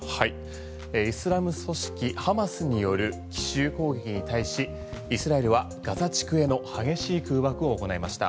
イスラム組織ハマスによる奇襲攻撃に対しイスラエルはガザ地区への激しい空爆を行いました。